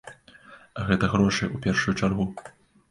Гэта грошы, у першую чаргу.